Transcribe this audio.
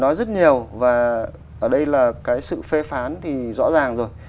nói rất nhiều và ở đây là cái sự phê phán thì rõ ràng rồi